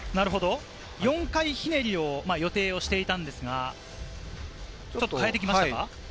４回ひねりを予定していたんですが、ちょっと変えてきましたか？